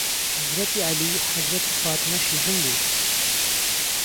حەزرەتی عەلی حەزرەتی فاتمەشی ژن بو